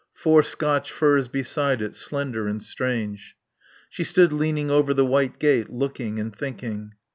Four Scotch firs beside it, slender and strange. She stood leaning over the white gate, looking and thinking.